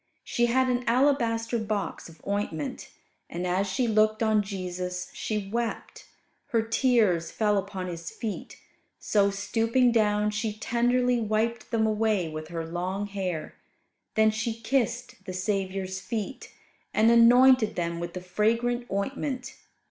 She had an alabaster box of ointment, and, as she looked on Jesus, she wept. Her tears fell upon His feet; so, stooping down, she tenderly wiped them away with her long hair; then she kissed the Saviour's feet, and anointed them with the fragrant ointment.